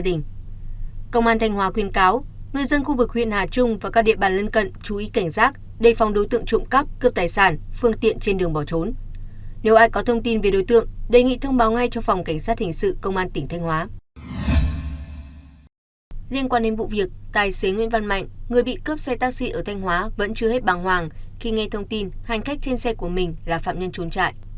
liên quan đến vụ việc tài xế nguyễn văn mạnh người bị cướp xe taxi ở thanh hóa vẫn chưa hết bằng hoàng khi nghe thông tin hành khách trên xe của mình là phạm nhân trốn chạy